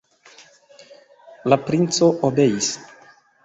La princo obeis.